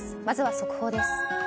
まずは速報です。